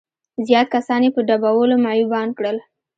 زيات کسان يې په ډبولو معيوبان کړل.